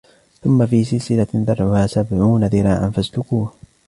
ثُمَّ فِي سِلْسِلَةٍ ذَرْعُهَا سَبْعُونَ ذِرَاعًا فَاسْلُكُوهُ